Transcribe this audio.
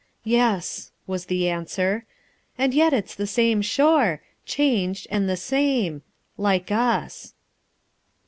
"Yes," was the answer. "And yet it's the same shore; changed, and the same; like us."